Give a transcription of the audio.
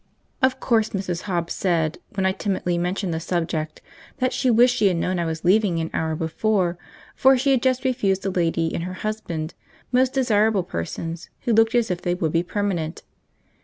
Of course Mrs. Hobbs said, when I timidly mentioned the subject, that she wished she had known I was leaving an hour before, for she had just refused a lady and her husband, most desirable persons, who looked as if they would be permanent.